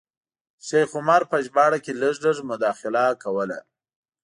شیخ عمر په ژباړه کې لږ لږ مداخله کوله.